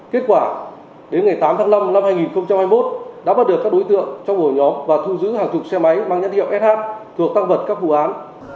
kết quả đến ngày tám tháng năm năm hai nghìn hai mươi một đã bắt được các đối tượng trong ổ nhóm và thu giữ hàng chục xe máy mang nhãn hiệu sh thuộc tăng vật các vụ án